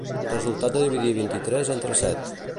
Resultat de dividir vint-i-tres entre set.